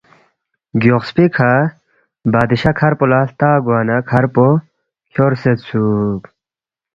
گیوخسپی کھہ بادشاہ کَھر پو لہ ہلتا گوا نہ کَھر پو کھیورسیدسُوک